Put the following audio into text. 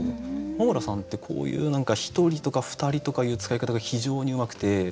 穂村さんってこういう何か「ひとり」とか「ふたり」とかいう使い方が非常にうまくて。